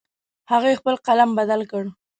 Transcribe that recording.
هغې خپل قلم بدل کړ